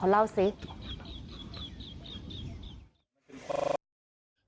พี่อู๋อยากไปไหม